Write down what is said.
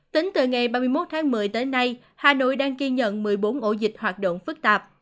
tính từ ngày ba mươi một tháng một mươi tới nay hà nội đang ghi nhận một mươi bốn ổ dịch hoạt động phức tạp